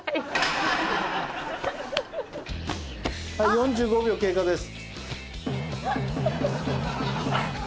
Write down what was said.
４５秒経過です。